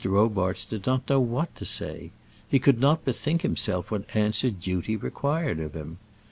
Robarts did not know what to say; he could not bethink himself what answer duty required of him.